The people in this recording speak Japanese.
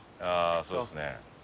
そうですね。